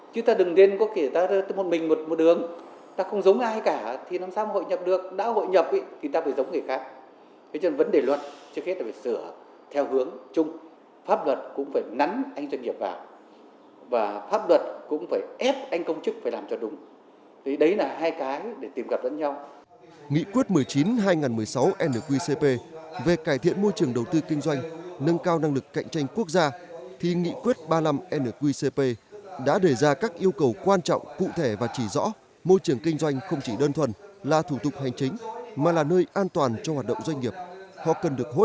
cộng đồng doanh nghiệp thúc đẩy sản xuất nâng cao năng lực cạnh tranh giữa các doanh nghiệp với nhau